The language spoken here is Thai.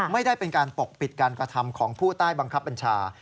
ไม่ได้เป็นการปกปิดการกระทำของผู้ใต้บังคับบัญชา